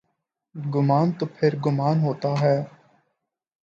گمان تو پھرگمان ہوتا ہے۔